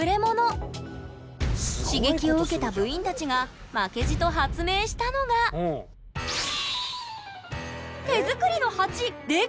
刺激を受けた部員たちが負けじと発明したのが手作りのハチ。でっか！